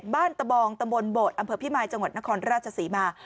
ตะบองตำบลโบดอำเภอพิมายจังหวัดนครราชศรีมา